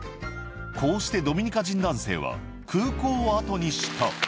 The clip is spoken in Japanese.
こうしてドミニカ人男性は空港を後にした。